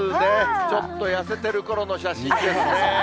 ちょっと痩せてるころの写真ですね。